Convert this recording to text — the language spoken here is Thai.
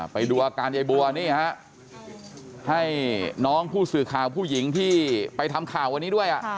ไปดูอาการยายบัวนี่ฮะให้น้องผู้สื่อข่าวผู้หญิงที่ไปทำข่าววันนี้ด้วย